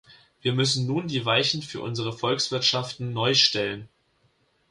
Wir müssen nun die Weichen für unsere Volkswirtschaften neu stellen.